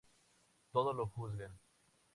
Todo lo juzgan.